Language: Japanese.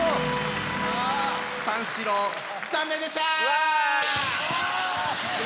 三四郎残念でした！